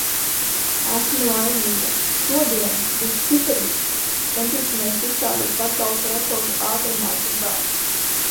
Esmu laimīga. Šodiena būs superīga! Centīsimies uzstādīt pasaules rekordu ātrmācībā.